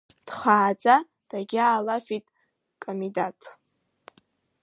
Дхааӡа дагьаалафит Камидаҭ.